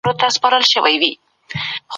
اوس ولي نه وايي